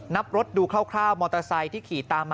นับรถดูคร่าวมอเตอร์ไซค์ที่ขี่ตามมา